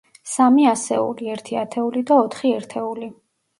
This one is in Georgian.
სამი ასეული, ერთი ათეული და ოთხი ერთეული.